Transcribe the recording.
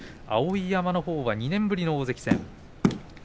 碧山のほうは２年ぶりの大関戦。